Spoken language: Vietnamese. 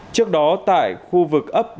trước đó tại khu vực ấp đồng